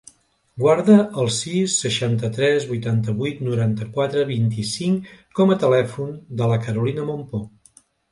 Guarda el sis, seixanta-tres, vuitanta-vuit, noranta-quatre, vint-i-cinc com a telèfon de la Carolina Mompo.